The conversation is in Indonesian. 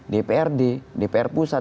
dprd dpr pusat